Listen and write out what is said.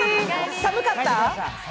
寒かった？